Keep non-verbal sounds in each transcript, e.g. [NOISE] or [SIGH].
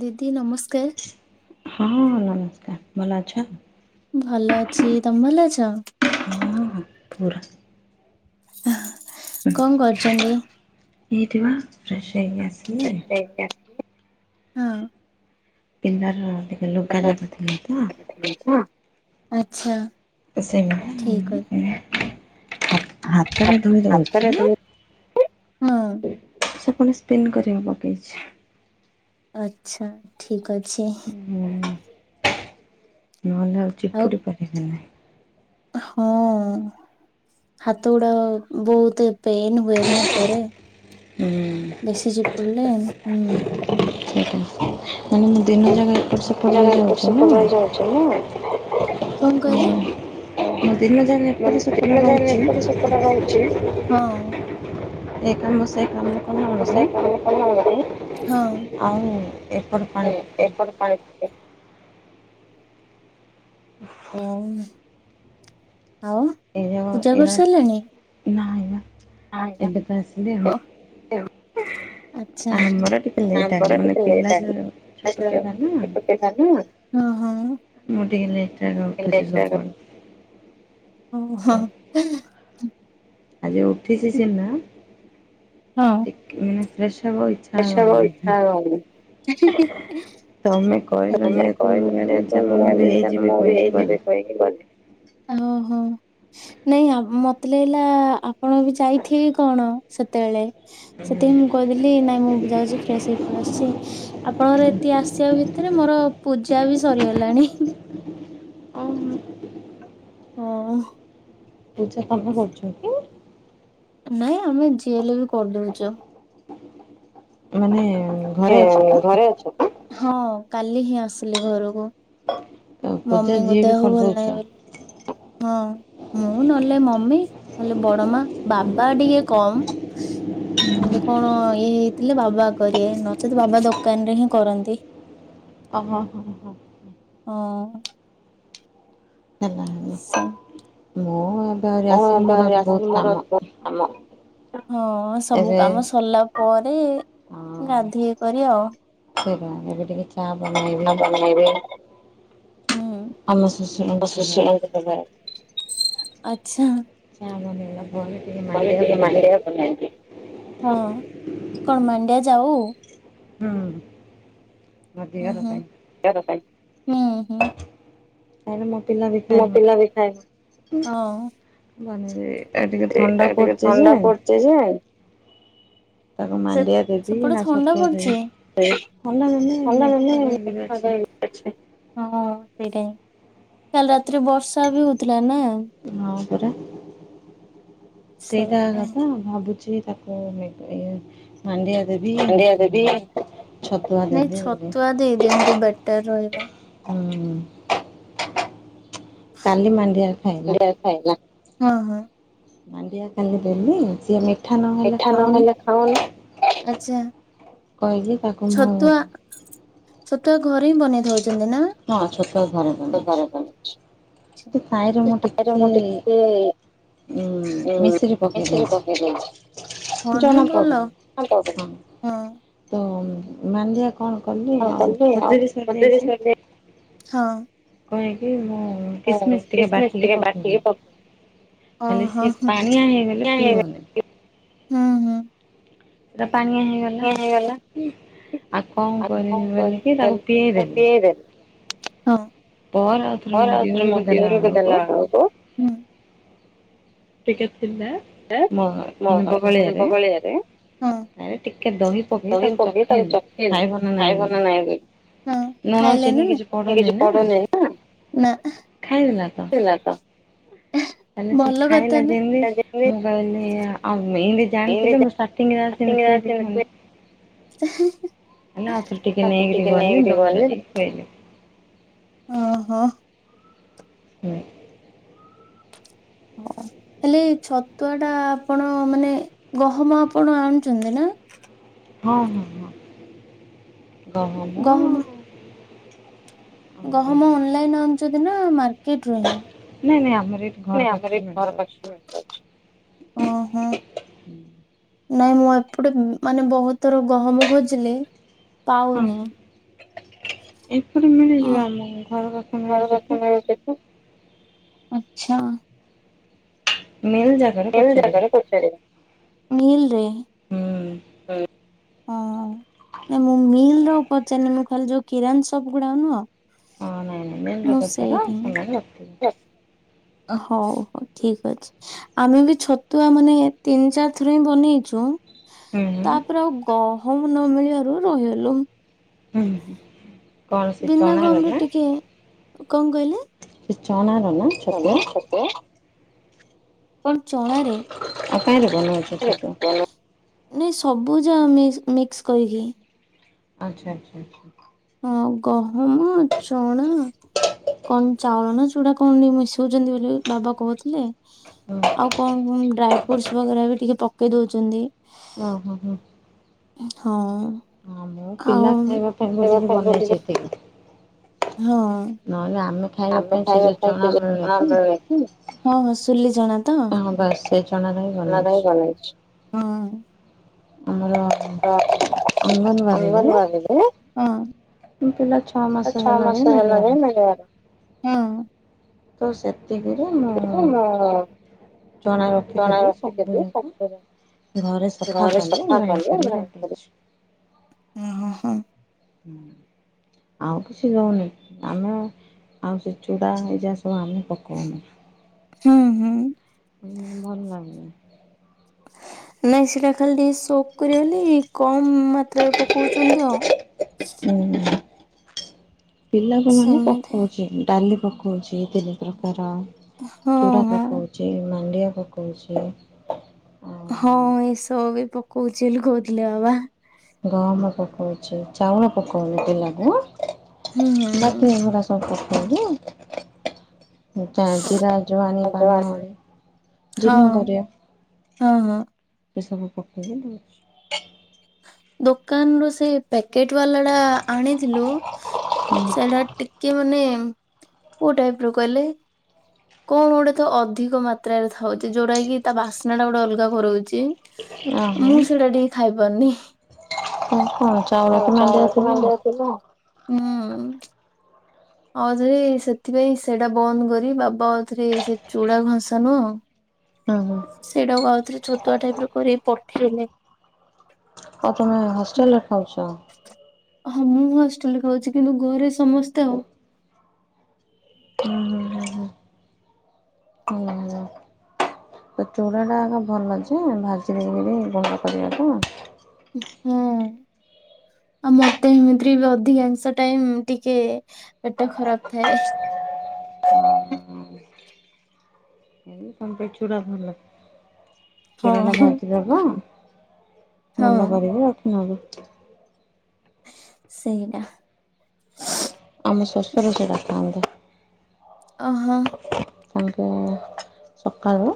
ଦିଦି ନମସ୍କାର। ହଁ ନମସ୍କାର। ଭଲ ଅଛ? ଭଲ ଅଛି ତମେ ଭଲ ଅଛ ହଁ ପୁରା। କଣ କରୁଛନ୍ତି? ଏଇଠି ବା ଫ୍ରେଶ୍ ହେଇକି ଆସିଲି। ହଁ। ପିଲାର ଟିକେ ଲୁଗା ଜାକ ଥିଲା ତ। ଆଛା। ସେମତୀ ଆଉ ଏ ହାତ ହାତରେ ଧୋଇ ଦଉଛି। ମୁଁ। ସେ ପୁଣି ସ୍ପିନ କରିବାକୁ ପକେଇଚି। ଆଛା ଠିକ ଅଛି। ହୁଁ ନହେଲେ ଆଉ ଚିପୁଡ଼ି ପାରିବି ନାହିଁ। ହଁ। ହାତ ଗୁଡା ବହୁତ ପେନ ହୁଏନା ପରେ। ହୁଁ ବେସି ଚିପୁଡ଼ିଲେ ହୁଁ। ସେଇଟା ମାନେ ମୁଁ ଦିନ ଜାକ ଏ ମାନେ ମୁଁ ଏପଟେ ସେପଟେ ରହିଯାଉଛି ନା। ମୁଁ ଦିନ ଯାକ ଏପଟ ମାନେ ସେପଟ ଦିନ ଯାକ ରହୁଛି ଏପଟ ସେପଟ ହଉଛି। [INAUDIBLE] ଏ କାମ ସେ କାମ। କଲା ଏ କାମ ସେ ବେଳକୁ କାମ କଲା ବେଳ କୁ। [UNINTELLIGIBLE] ଆଉ ଏପଟ ପାଣି ପକେଇବି ଏପଟେ ପାଣି ସେପଟ। ଉଁ। ଏଇ ଜାକ ଏରା କରିସାରିଲାଣି? ନାଇଁ ବା। ଏବେ ତ ଆସିଲି ଆଉ। ଆଛା। ଆମର ଟିକେ ହଁ ଲେଟ୍ ଆଗ ହଁ। ମାନେ ପିଲା ଛୋଟ ପିଲା ନା ମୁଁ ଟିକେ ଲେଟ ରେ ଆଗ ଉଠୁଛି ସବୁବେଳେ। ଓ ହୋ। ଆଜି ଉଠିଛି ସିନା। ହଁ। ଟିକେ ମାନେ ଫ୍ରେଶ୍ ହେବାକୁ ଇଚ୍ଛା ଏ ସବୁ ଆଉ ହେଉନି ଇଚ୍ଛା ହି ହଉନି, ହେ ହେ ହେ। ତମେ କହିଲି କହିଲ ଯେହେତୁ ମୁଁ କହିଲି ଚାଲ ମୁଁ ବି ହେଇଯିବି କହିକି ଗଲି [UNINTELLIGIBLE] ଓହୋ ନାଇଁ ଆ ମତେ ଲାଗିଲା ଆପଣ ବି ଯାଇଥିବେ କି କଣ ସେତେବେଳେ। ସେଥିପାଇଁ ମୁଁ କହିଦେଲି ନାଇଁ ମୁଁ ବି ଯାଉଛି ଫ୍ରେଶ ହେଇପଳେଇ ଆସୁଛି ଆପଣଙ୍କର ଏତିକ ଆସିବା ଭିତ ତରେ ମୋର ପୂଜା ବି ସରିଗଲାଣି। ଓହୋ। ଓ। ପୂଜା ପର୍ବ କରୁଛ କି। ନା ଆମେ ଯିଏ ହେଲେ ବି କରିଦଉଚ। ମାନେ। ଓ ଘରେ ଅଛ ଘରେ ତ ଅଛ ତ, ହଁ କାଲି ହିଁ ଆସିଲି ଘରକୁ। ପୂଜା ମମିଙ୍କ ଯିଏ ବି ଦେହ ଭଲ କରିଦଉଛ ନାହିଁ ବେଲି। ହଁ ମୁଁ ନହେଲେ ମମି ନହଲେ ବଡ ମା ବାବା ଟିକେ କମ୍। ଏମତି କଣ ଇଏ ହେଇଥିଲେ ବାବା କରିବେ ନଚେତ ବାବା ଦୋକାନ ରେ ହିଁ କରନ୍ତି। ଓ ହ ହଁ ହ ହ। ହଁ ହେଲା ସେ ମୋ। ହଁ ଏବେ ଆହୁରି ଆସିବି ମୋର ବହୁତ କାମ। ହଁ ସବୁ ଏବେ କାମ ସରିଲା ପରେ ହଁ। ଗାଧେଇ କରି ଆଉ। ସେଇଟା ଏବେ ଟିକେ। ଚା ବନେଇବି [UNINTELLIGIBLE] ଉଁ ଆମ ଶ୍ୱଶୁରଙ୍କୁ ମୋ ଦେବାର ଅଛି। ଶଶୁରଙ୍କୁ ଦେବାର, ଆଚ୍ଛା। ଚା ବନେଇଲା ପରେ ଟିକେ ମାଣ୍ଡିଆ ବନେଇବି। ହୁଁ କଣ ମାଣ୍ଡିଆ ଯାଉ। ହୁଁ। ମୋ ଉଁ ଦିଅର ପାଇଁ। ହଁ ଉଁ ହୁଁ। ତାହେଲେ ମୋ ପିଲା ବି ଖାଇବ। ମୋତିଲା ବି ଖାଏ ହଁ ବନେଇଦେବି ଏ ଟିକେ ଥଣ୍ଡା ପଡୁଛି ଯେ ଯେ ତାକୁ ସେ ମାଣ୍ଡିଆ ଦେବି ସେପଟେ ନା ଥଣ୍ଡା ଛତୁଆ ପଡୁଚି? ଦେବି [UNINTELLIGIBLE] ଥଣ୍ଡା ଦେଲେ ହଁ ମେଘ ପାଗ ହେଇକିରି ସେଇଟା ଅଛି। ହିଁ, କାଲି ରାତିରେ ବର୍ଷା ବି ହଉଥିଲା ନା। [UNINTELLIGIBLE] ସେ ସେଇଟା କଥା ଭାବୁ ତାକୁ ଏ ମାଣ୍ଡିଆ ଦେବି। ହାଣ୍ଡିଆ ଦେବି। ଛତୁଆ ନାଇଁ ଦେବି ବୋଲି ଛତୁଆ ଦେଇ ଦିଅନ୍ତୁ ବେଟର ରହିବ। ହୁଁ। କାଲି ମାଣ୍ଡିଆ ଖାଇଲା। ଅ ହଁ। ମାଣ୍ଡିଆ କାଲିଦେଲି ସିଏ ମିଠା ନହେଲେ ଖାଉନି। ଆଚ୍ଛା କହିଲି ତାକୁ ମୋ ଛତୁଆ ଛତୁଆ ଘରେ ହିଁ ବନେଇ ଦଉଛନ୍ତି ନା? ହଁ ଛୋଟ ଘରେ ବନେଇଛି [UNINTELLIGIBLE] ସାଇରେ ମୁଁ ଟିକେ ଟିକେ ଉଁ ହୁଁ ମିଶିରି ପକେଇ ମିଶିରି ଦେଇଛି ପକେଇ ଦଉଛି। ହଁ ଜଣା ନାଇଁ ଭଲ। ପଡୁନି ହଁ। ମଣ୍ଡିଆ କଣ କଲି ଆଉ, ଖଜୁର ସରିଯାଇଚି। କଣ ହେଇଚି ମୁଁ ହଁ କିସମିସ୍ ଟିକେ ବାଟିକି ପକେଇଦେଇଚି। ଓହୋ ହେଲେ ସିଏ ହୁଁ ପାଣିଆ ହେଇଗଲେ ପିଇବନି। ହୁଁ। ପାଣିଆ ହେଇଗଲା। ଆଉ କଣ କରବି ବୋଲିକି ତାକୁ ପିଆଇ ଦେଲି। ହଁ। ପରେ ଆଉଥରେ ମୋ ଦିଅରକୁ ଦେଲା ବେଳକୁ [UNINTELLIGIBLE] ଟିକେ ଥିଲା। [UNINTELLIGIBLE] ହଁ। ବ ମାନେ ଦହି ବଗଳିଆରେ ପକେଇ ତାରେ ଟିକେ ଦହି ପକେଇ ତାକୁ ତାକୁ ଚଖେଇଲେ ଚଖେଇଲି ଖାଇବ ନା ନାଇଁ ଖାଇବ ବୋଲି ନା ନାଇ ହୁଁ ଲୁଣ ଖାଇଲେ ଚିନି ନା ନାଇଁ? କିଛି ପଡୁନି ନା ନା। ଖାଇଦେଲା ତ [UNINTELLIGIBLE] ତାହେଲେ ସେ ଭଲ କଥା ଖାଇଲା ନା। ଯେମତି ମୁଁ [UNINTELLIGIBLE] ଆଉ ଏମତି ଜାଣିଥିଲେ ମୁଁ ଷ୍ଟାଟିଙ୍ଗ ରେ ଆସିକି ଖୁଆଇ ଦେଇଥାନ୍ତି। [INAUDIBLE] ହେନେ ଅଳ୍ପ ଟିକେ ନେଇକରି ଗଲି ଦହିି ରେ ଟିକେ ପେଇଦେଲି। ଓ ହଁ। ହୁଁ। ହେଲେ ଛତୁଆ ଟା ଆପଣ ମାନେ ଗହମ ଆପଣ ଆଣୁଛନ୍ତି ନା? [INAUDIBLE] ହଁ ହଁ ହଁ। ଗହମ ଆଉ ଗହମ ଅନଲାଇନ ଆଣୁଚନ୍ତି ନା ମାର୍କ କେଟ ରୁ ହିଁ? ନାଇଁ ନାଇଁ ଆମର ଏଇଠି ଘର ନା ଆମର ପାଖରେ ଏଇ ଘର ମିଳିଯାଉଛି। ପାଖରେ ଅଛି। ଓ ହୋ। ନାଇଁ ମୁଁ ଏପଟେ ମାନେ ବହୁତଥର ଗହମ ଖୋଜିଲେ, ହଁ ପାଉନି। ଏପଟେ ମିଳିଯିବ ଆମ ଘର ପାଖରେ ଘର ମିଳୁଚି ପାଖ ତ। ମିଳୁଚି। ଆଚ୍ଛା। ମିଲ୍ [UNINTELLIGIBLE] ଜାଗାରେ ପଚାରିବା। ମିଲରେ, ହୁଁ ହୁଁ। ଓ ହୋ ନା ମୁଁ ମିଲ୍ ର ପଚାରିନି। ଖାଲି ଯୋଉ କିରାନ ସପ୍ ଗୁଡାକ ନୁହଁ ହଁ ନାଇଁ ନାଇଁ ମିଲ ରେ ମୁଁ ସେଇଠି ପଚାର, ସେମାନେ ରଖିଥିବେ। ହଉ ଠିକ୍ ଅଛି। ଆମେ ବି ଛତୁଆ ମାନେ ତିନି ଚାରି ଥର ହିଁ ବନେଇଚୁ। ହୁଁ ହୁଁ ତାପରେ ଆଉ ଗହମ ନ ମିଳିବାରୁ ରହିଗଲୁ। ହୁଁ କଣ ସେ ବିନା ଚଣାର। ଗହମରେ ଟିକେ [UNINTELLIGIBLE] ସେ ଚଣା ନଉନା ଛତୁଆ କଣ ଚଣାରେ? [INAUDIBLE] ବନା ହଉଚି ଛତୁଆ। ନାଇଁ ସବୁ ଯା ମିସ୍ ମିକ୍ସ କରିକି। ଆଚ୍ଛା ଆଚ୍ଛା ଆଚ୍ଛା। ହଁ ଗହମ, ଚଣା କନ୍ ଚାଉଳ ନା ଚୁଡା କଣ ଏମତି ମିଶଉଛନ୍ତି ବୋଲି ବାବା କହୁଥିଲେ। ଆଉ କଣ କନ୍ ଡ୍ରାଇ ଫ୍ରୁଟସ୍ ବଗେରା ବି ଟିକେ ପକେଇ ଦଉଚନ୍ତି। ଓହୋ ହୋ। ହଁ। ହଁ ମୋ ପିଲା ଆଉ ଖାଇବା ପାଇଁ ଖାଇବା ବୋଲିକି ବନେଇଚି ହଁ ଏତିକି। ନହେଲେ ଆମେ ଆମେ ପାଇଁ ସେ ଖାଇବା ଯୋଉ ପାଇଁ ସୋଲେ ଚଣା କି ମିଳୁନି କି, ହଁ ହଁ ସୁଲି ଚଣା ତ? ହଁ ବାସ୍ ସେ ଚଣାରେ ହିଁ ବନେଇଛି। ହଁ। ଆମର [INAUDIBLE] ଅଙ୍ଗନବାଡ଼ିରେ ହଁ। ପିଲା ଛଅ ମାସ ଆଛା ହେଲା ଆମ ଯାଏ ସେ ହେ ଆଉ ଛଅ ମାସ ହେଲା ମିଳିବାର। ଯାଏ ମିଳିବ, ହୁଁ। ତ ସେତିକିରେ ମୁଁ ଚଣା ରଖିଥେଲି ସବୁ ଯାଙ୍କ ସେ ଘରେ ସଫା କଲେ, ଗ୍ରାଇଣ୍ଡ କରି ରଖଦେଇଚୁ। ଉଁ ହଁ ହଁ। ଆଉ କିଛି ଦଉନି। ଆମେ ଆଉ ସେ ଚୁଡା, ଏଇ ଯାହା ସବୁ ତାକୁ ଆମେ ପକଉନୁ। ହୁଁ ହୁଁ। ହୁଁ ଭଲ ଲାଗିବ। ନାଇଁ ସେଇଟା ଖାଲି ଟିକେ ସୋକ କରିବ ବୋଲି, କମ ମାତ୍ରାରେ ପକଉଚନ୍ତି ଆଉ। ହୁଁ ହୁଁ। ପିଲାକୁ ମାନେ ପକଉଚି। ଡାଲି ପକଉଛି ତିନି ପ୍ରକାର ହଁ ଚୁଡ଼ା ହଁ ପକଉଚି, ମାଣ୍ଡିଆ ପକଉଛି ଆଉ ହଁ, ଏଇସବୁ ବି ପକଉଚି ବୋଲି କହୁଥିଲେ ବାବା। ଗହମ ପକଉଛି। ଚାଉଳ ପକଉନି ପିଲାକୁ, ହୁଁ ହୁଁ ହୁଁ। ବାକି ଏଗୁଡ଼ା ସବୁ ପକଉ ସୋଉଟୁ ଗୋଟା ଜିିରା, ଯୁଆଣି, ହଁ ପାନମହୁରି, ଜୀର୍ଣ୍ଣ କରିବ। ହଁ ହଁ ଏସବୁ ପକେଇ ଦେଲି ଦୋକାନରୁ ସେ ପ୍ୟା କେଟ୍ ବାଲାଟା ଆଣିଥିଲୁ, ସେଡ଼ା ଟିକେ ମାନେ କୋଉ ଟାଇପର କଇଲେ? କଣ ଗୋଟେ ତ ଅଧିକ ମାତ୍ରାରେ ଥାଉଛି, ଯୋଉଟା କି ତା ବାସ୍ନାଟା ଗୋଟେ ଅଲଗା କରଉଛି। ଓହୋ ମୁଁ ସେଇଟା ଟିକେ ଖାଇପାରୁନି। କଣ ଆ ଚାଉଳକି ମାଣ୍ଡିଆ ଚାଉଳକୁ ଥିବ ମାଣ୍ଡିଆ ଚୁନା ହୁଁ। ଆଉଥରେ ସେଥିପାଇଁ ସେଇଟା ବନ୍ଦ କରି, ବାବା ଆଉଥରେ ସେ ଚୁଡ଼ା ଘସାଁ ନୁହଁ ହୁଁ ହୁଁ ସେଇଟାକୁ ଆଉଥରେ ଛତୁଆ ଟାଇପର କରିକି ପଠେଇଲେ। ଆଉ ତମେ ହଷ୍ଟେଲରେ ଖାଉଛ? ହଁ, ମୁଁ ହଷ୍ଟେଲରେ ଖାଉଛି, କିନ୍ତୁ ଘରେ ସମସ୍ତେ ଆଉ। ହୁଁ-ହୁଁ-ହୁଁ। ଭଲ। ତ ଚୁଡ଼ାଟା ଆଗ ଭଲ ଯେ, ଭାଜି ଦେଇକିରି ଗୁଣ୍ଡ କରିବାକୁ। ହୁଁ। ଆଉ ମତେ ଏମିତିରେ ବି ଅଧିକାଂଶ ଟାଇମ ଟିକେ ପେଟ ଖରାପ ଥାଏ। ହୁଁ [UNINTELLIGIBLE] ବେ ଚୁଡ଼ା ଭଲ। [UNINTELLIGIBLE] ହଁ ଚୁଡା ଟା ଭାଜିିଦବ ହଁ ଗୁଣ୍ଡ କରିକି ରଖିିନବ। ସେଇନା। ମୋ ଶଶୁର ସେଟା ଖାଆନ୍ତି। ଅ ହଁ। ବୋହୁତୁ ସକାଳୁ।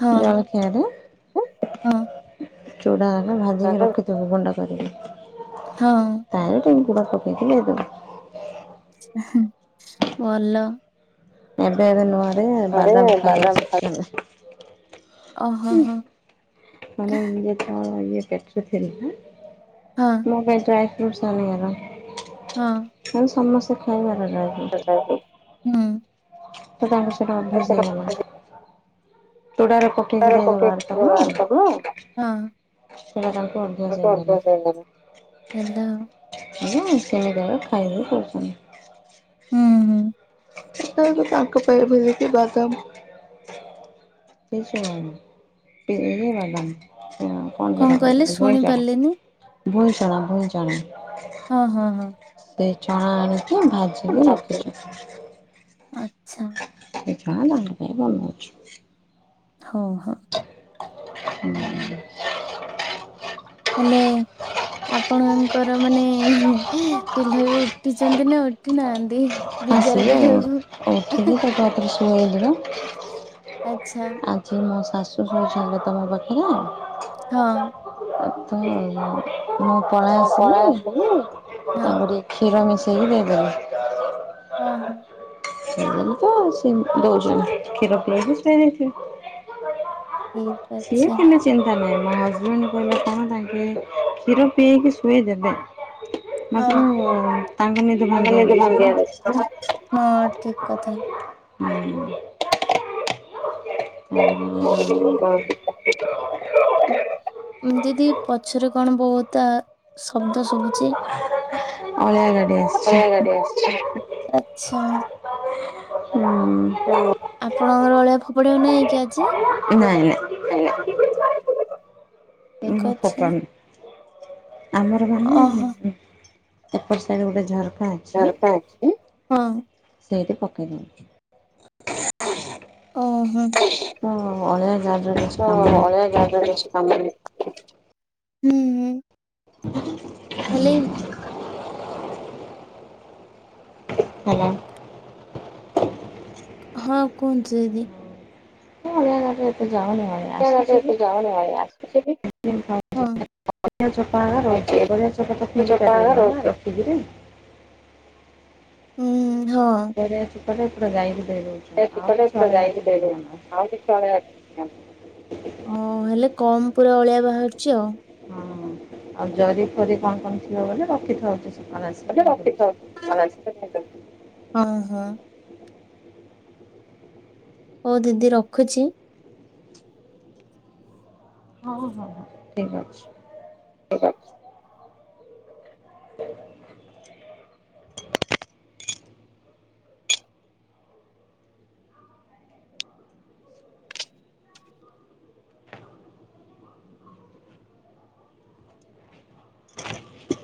ହଁ ଜଳଖିଆରେ ହଁ ଚୁଡ଼ା ହେଲା ଭାଜିିକି ରଖିଥିବୁ ଗୁଣ୍ଡ କ। ହଁ ତାହେଲ୍ ଟିକେ ଗୁଡ଼ ପକେଇକି ଦେଇଦବୁ। ଭଲ। ଏବେ ଏବେ ନୂଆରେ ଆରେ ବାଦାମ ବା ଖାଇ ଆସିଛି ଓହୋ ଏବେ। ହୋ ମାନେ [UNINTELLIGIBLE] ହଁ [UNINTELLIGIBLE] ମୋ ପାଇଁ ଡ୍ରାଇ ଫ୍ରୁଟସ୍ ସରିଗଲା। ହଁ ହୁଁ। ଆମେ ସମସ୍ତେ ଖାଇବାନା ଡ୍ରାଏ ଫ୍ରୁଟ। ହୁଁ। ସେଟା ଆମର ସେଟା ଅଭ୍ୟାସ ହେଇଗଲାଣି। [UNINTELLIGIBLE] ସେଇଟା ତାଙ୍କୁ ଅଭ୍ୟାସ ହଁ ହେଇଗଲା। [INAUDIBLE] [UNINTELLIGIBLE] ସେମିତି ଖାଇବେ କହୁଛନ୍ତି। ହୁଁ, ହୁଁ। କାହିଁକି ତାଙ୍କ ପାଇଁ ରେ ଭେଦେଇଛି ବାଦାମ। [UNINTELLIGIBLE] ପିଇବେ ବାଦାମ। କଣ ସେଟା କହିଲେ କହୁଛନ୍ତି ଶୁଣି ଭୁଇଁଚଣା, ପାରିଲିନି ଭୁଇଁଚଣା, ଭୁଇଁଚଣା। ହଁ, ହଁ, ହଁ। ଚଣା ଆଣିକି ଭାଜିକି ରଖୁଛନ୍ତି। ଆଚ୍ଛା ନା ନା ଆମେ [UNINTELLIGIBLE] ବନୋଉଛୁ। ହୋଊ। [INAUDIBLE] ହେଲେ ଆପଣଙ୍କର ମାନେ ହେଁ। ପିଲା ବି ଉଠିଛନ୍ତି ନା ଉଠି ନାହାନ୍ତି। ହଁ ବିଚାର ସିଏ କରିବା ଉଠିକି ଫେରେ ଆଉଥେର ଶୁଆଇଦେଲୁ। ଆଚ୍ଛା ଆଜି ମୋ ଶାଶୁ କହିଛନ୍ତି [UNINTELLIGIBLE] ହଁ। ତ ମୁଁ ପଳେଇ ଆସିଲିଣି ହଁ ତାପରେ କ୍ଷୀର ମିଶ୍ [UNINTELLIGIBLE] ହଁ, ହଁ। ସେ ତ ସେ ଦଉଛନ୍ତି କ୍ଷୀର ପିଲେଇକି ସୁଏଇ ଦେଇଥିବେ। ଠିକ ସିଏ ଅଛି କେମିତ୍ ଚିନ୍ତା କରିବେ। ମୋ ହଜବେଣ୍ଡ କହିଲେ କଣ ତାଙ୍କେ କ୍ଷୀର ପିଏଇକି ଶୋଏଇଦେବେ। ହଁ, ଭାଙ୍ଗିବାର ଅଛି [UNINTELLIGIBLE] ହଁ ନା ଠିକ୍। କଥା। [INAUDIBLE] [INAUDIBLE] ଦିଦି ପଛରେ କଣ ବହୁତା ଶବ୍ଦ ଶୁଭୁଛି। ଅଳିଆ ଗାଡ଼ି ଆସିଛି ଅଳିଆ ଗାଡି ଆସିଛି। ନାଇଁ ଆପଣଙ୍କର ଅଳିଆ ଫୋପାଡିବାକୁ ନାଇଁ କି ଆଜି। ନାଇଁ [UNINTELLIGIBLE] ଠିକ ମୁଁ ଅଛି। ଫୋକାଡ଼ନୁ ଆମର ବା ନୁହେଁ। ଏପଟ୍ ସାଇଟ୍ ଗୋଟେ ଝର। ଝରକା ଅଛି। ସେଇଠି ପକେଇ ଦେବି। ଓହୋ। ତ ଅଳିଆ ଗାଡ଼ିର କିଛି ତ କାମ ହେଲା ଅଳିଆ ଜାଗା [UNINTELLIGIBLE] ହ [UNINTELLIGIBLE] ହେଲେ ହାଲୋ। ହଁ କୁହନ୍ତୁ ଦିଦି। ମୁଁ ଅଳିଆଘାଟରେ ଏତେ ଯାାଉନି ମୁଁ ଆଉ ଆସୁଛି ବି ଏତେ ଯାଉନି ଅଳିଆ ଆସୁଛି ବି। [INAUDIBLE] ହଁ ପରିବା ଚୋପା ହେକା ରହୁଛି। ପରିବା ଚୋପା ତ ଫିଙ୍ଗି ପାରିବୁ ଉଁ ନନା ରଖିକିରି। ହୁଁ, ହଁ। କରେ ପୁରା ଯାଇକି। ସେ ଠିକ କଲେ ପୁରା ଭିତରେ ଆମର ରହୁଛୁ। ଆଉ କିଛି [UNINTELLIGIBLE] ଓ ହେଲେ କମ ପୁରା ଅଳିଆ ବାହାରୁ ହଁ ଆଉ ଜରି ଫରି କଣ କଣ ଥିବ ବୋଲେ ରଖିଥାଉଚି। ହଁ, ହଁ। ହଉ ଦିଦି ରଖୁଛି। ହଉ ହଉ ଠିକ ଅଛି। ହଉ ରଖ। [UNINTELLIGIBLE] [UNINTELLIGIBLE]